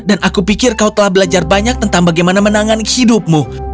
aku pikir kau telah belajar banyak tentang bagaimana menangani hidupmu